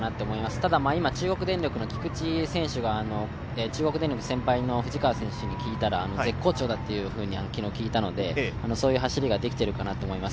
ただ中国電力の菊地選手が中国電力先輩の藤川選手が絶好調だと聞いたのでそういう走りができているかなと思います。